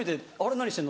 「何してんの？」